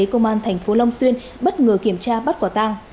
công an tp long xuyên bất ngờ kiểm tra bắt quả tang